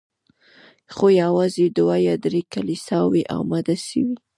خو یوازي دوه یا درې کلیساوي اماده سوې